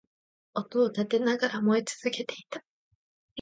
音を立てながら燃え続けていた